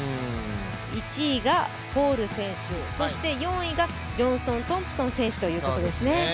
１位が、ホール選手、そして４位がジョンソン・トンプソン選手ということですね。